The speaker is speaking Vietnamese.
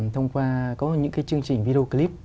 thông qua có những chương trình video clip